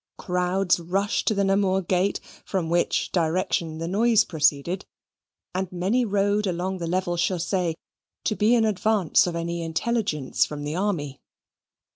Crowds rushed to the Namur gate, from which direction the noise proceeded, and many rode along the level chaussee, to be in advance of any intelligence from the army.